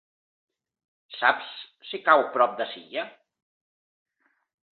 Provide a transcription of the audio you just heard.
Saps si cau a prop de Silla?